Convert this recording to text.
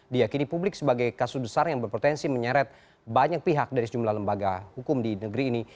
diakini publik sebagai kasus besar yang berpotensi menyeret banyak pihak dari sejumlah lembaga hukum di negeri ini